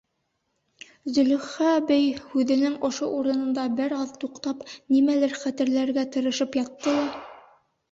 Зөләйха әбей, һүҙенең ошо урынында бер аҙ туҡтап, нимәлер хәтерләргә тырышып ятты ла: